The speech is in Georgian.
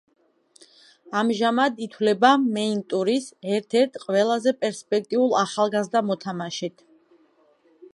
ამჟამად ითვლება მეინ-ტურის ერთ-ერთ ყველაზე პერსპექტიულ ახალგაზრდა მოთამაშედ.